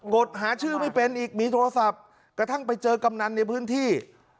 ดหาชื่อไม่เป็นอีกมีโทรศัพท์กระทั่งไปเจอกำนันในพื้นที่